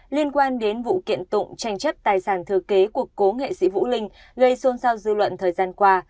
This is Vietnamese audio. liên quan đến vụ kiện tụng tranh chấp tài sản thừa kế của cố nghệ sĩ vũ linh gây xôn xao dư luận thời gian qua